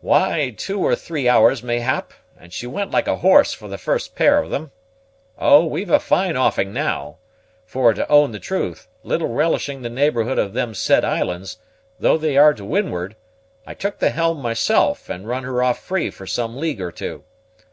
"Why, two or three hours, mayhap, and she went like a horse for the first pair of them. Oh, we've a fine offing now! for, to own the truth, little relishing the neighborhood of them said islands, although they are to windward, I took the helm myself, and run her off free for some league or two.